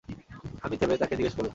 আমি থেমে তাকে জিজ্ঞেস করলাম।